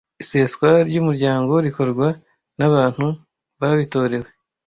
Iseswa ry umuryango rikorwa n abantu babitorewe